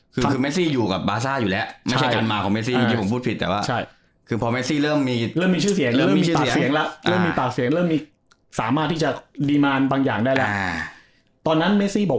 คือเมสซี่อยู่กับบาซ่าอยู่แล้วไม่ใช่กัลมะของเมสซี่